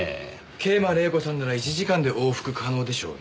桂馬麗子さんなら１時間で往復可能でしょうね。